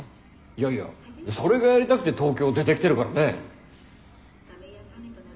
いやいやそれがやりたくて東京出てきてるからね。